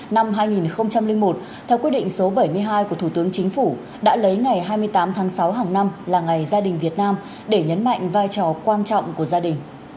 năm hai nghìn một theo quyết định số bảy mươi hai của thủ tướng chính phủ đã lấy ngày hai mươi tám tháng sáu hàng năm là ngày gia đình việt nam để nhấn mạnh vai trò quan trọng của gia đình